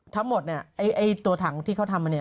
ทั้งหมดตัวถังที่เขาทำ